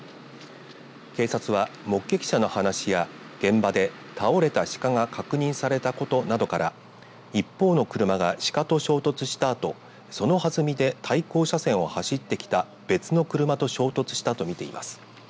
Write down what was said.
警察は、目撃者の話や現場で倒れた鹿が確認されたことなどから一方の車が鹿と衝突したあとその弾みで対向車線を走ってきた別の車と衝突したと見ています。